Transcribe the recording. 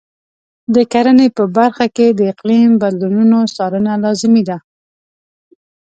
د کرنې په برخه کې د اقلیم بدلونونو څارنه لازمي ده.